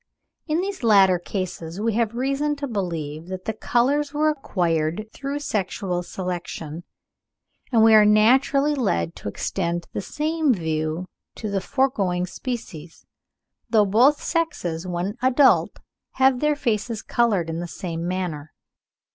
In these latter cases we have reason to believe that the colours were acquired through sexual selection; and we are naturally led to extend the same view to the foregoing species, though both sexes when adult have their faces coloured in the same manner.